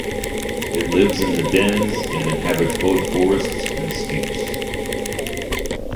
It lives in dens and inhabits both forests and steppes.